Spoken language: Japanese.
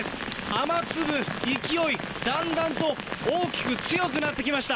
雨粒、勢い、だんだんと大きく強くなってきました。